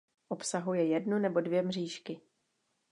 Obsahuje jednu nebo dvě mřížky.